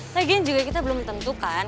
lagian juga kita belum tentukan